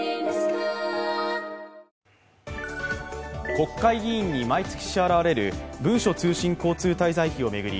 国会議員に毎月支払われる文書通信交通滞在費を巡り